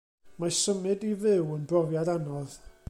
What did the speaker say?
Mae symud i fyw yn brofiad anodd.